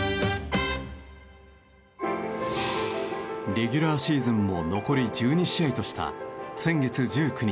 レギュラーシーズンも残り１２試合とした先月１９日。